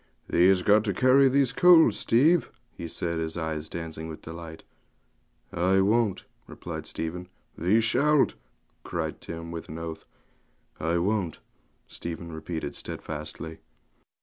'Thee has got to carry these coals, Steve,' he said, his eyes dancing with delight. 'I won't,' replied Stephen. 'Thee shalt,' cried Tim, with an oath. 'I won't,' Stephen repeated stedfastly.